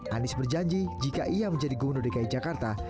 anies berjanji jika ia menjadi gubernur dki jakarta